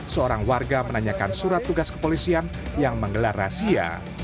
seorang warga menanyakan surat tugas kepolisian yang menggelar razia